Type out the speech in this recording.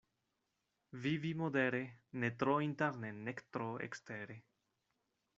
Vivi modere, ne tro interne nek tro ekstere.